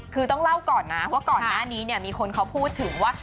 คือต้องเล่าก่อนนะว่าก่อนหน้านี้เนี่ยมีคนเขาพูดถึงว่า